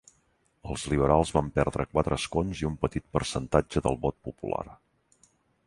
Els liberals van perdre quatre escons i un petit percentatge del vot popular.